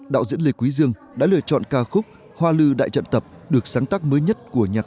đạo diễn lê quý dương đã lựa chọn ca khúc hoa lưu đại trận tập được sáng tác mới nhất của nhạc